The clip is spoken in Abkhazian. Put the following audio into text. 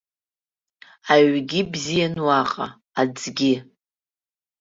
Аҩгьы бзиан уаҟа, аӡгьы.